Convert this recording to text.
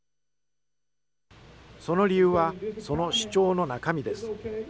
その理由は、その主張の中身です。